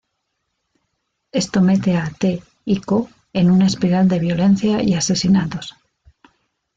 Esto mete a T y Ko en una espiral de violencia y asesinatos.